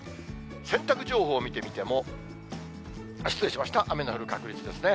洗濯情報を見てみても、失礼しました、雨の降る確率ですね。